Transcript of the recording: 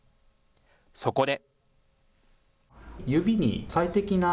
そこで。